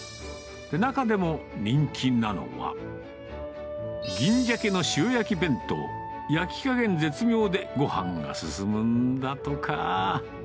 中でも人気なのは、銀鮭の塩焼き弁当、焼き加減絶妙で、ごはんが進むんだとか。